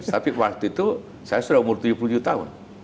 tapi waktu itu saya sudah umur tujuh puluh tujuh tahun